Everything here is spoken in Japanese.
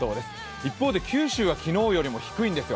一方で九州は昨日よりも低いんですよ。